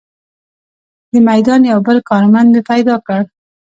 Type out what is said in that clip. د میدان یو بل کارمند مې پیدا کړ.